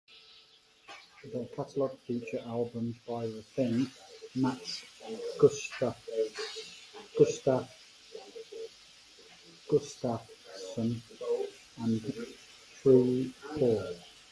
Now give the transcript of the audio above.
Their catalog features albums by The Thing, Mats Gustafsson and Free Fall.